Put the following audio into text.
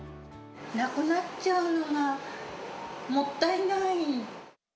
なくなっちゃうのがもったいない。